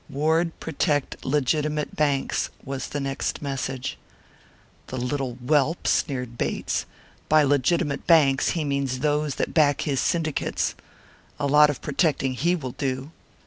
"Ward protect legitimate banks," was the next message. "The little whelp!" sneered Bates. "By legitimate banks he means those that back his syndicates. A lot of protecting he will do!"